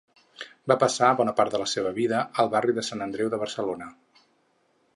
Va passar bona part de la seva vida al barri de Sant Andreu de Barcelona.